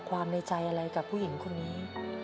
ในใจอะไรกับผู้หญิงคนนี้